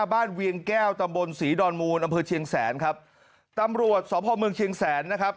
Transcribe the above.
เวียงแก้วตำบลศรีดอนมูลอำเภอเชียงแสนครับตำรวจสพเมืองเชียงแสนนะครับ